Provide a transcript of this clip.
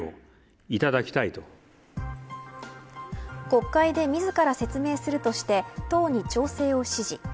国会で自ら説明するとして党に調整を指示。